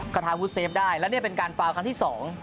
กระทาวุเซฟได้แล้วนี่เป็นการฟาวน์ที่๒